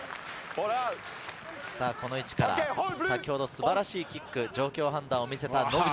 先ほど素晴らしいキック、状況判断を見せた野口。